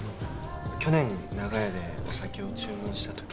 去年長屋でお酒を注文した時。